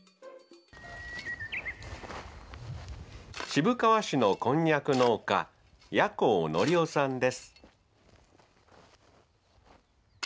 渋川市のこんにゃく農家八高範夫さんです。